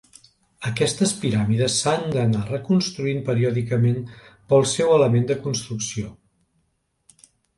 Aquestes piràmides s'han d'anar reconstruint periòdicament pel seu element de construcció.